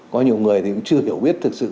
có nhiều người thì cũng chưa hiểu biết thực sự